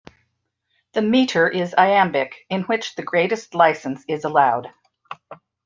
The metre is iambic, in which the greatest licence is allowed.